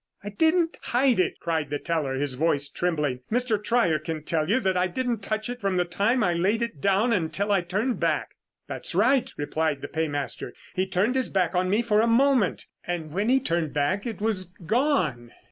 "I didn't hide it!" cried the teller, his voice trembling. "Mr. Trier can tell you that I didn't touch it from the time I laid it down until I turned back." "That's right," replied the paymaster. "He turned his back on me for a moment, and when he turned back, it was gone."